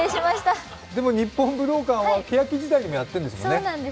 日本武道館は、けやき時代にもやってるんですよね？